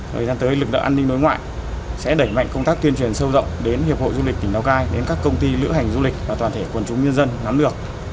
thời gian tới lực lượng an ninh đối ngoại sẽ đẩy mạnh công tác tuyên truyền sâu rộng đến hiệp hội du lịch tỉnh lào cai đến các công ty lữ hành du lịch và toàn thể quần chúng nhân dân nắm được